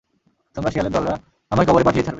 তোমরা শেয়ালের দলরা, আমায় কবরে পাঠিয়েই ছাড়বে।